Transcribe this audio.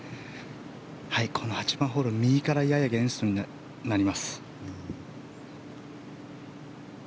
この８番ホール右からややアゲンストになります。